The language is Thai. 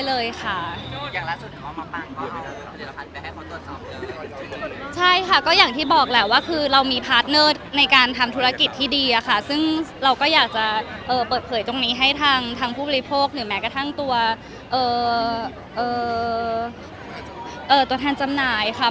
ใช่ค่ะก็อย่างที่บอกแหละว่าคือเรามีพาร์ทเนอร์ในการทำธุรกิจที่ดีอะค่ะซึ่งเราก็อยากจะเปิดเผยตรงนี้ให้ทางผู้บริโภคหรือแม้กระทั่งตัวแทนจำหน่ายค่ะ